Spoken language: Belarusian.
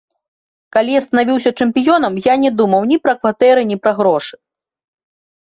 Калі я станавіўся чэмпіёнам, я не думаў ні пра кватэры, ні пра грошы.